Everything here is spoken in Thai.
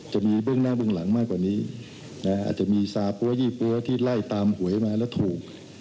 เบื้องหน้าเบื้องหลังมากกว่านี้อาจจะมีซาปั๊วยี่ปั๊วที่ไล่ตามหวยมาแล้วถูก